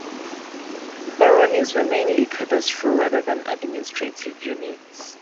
Baronies were mainly cadastral rather than administrative units.